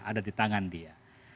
ada di tangan dia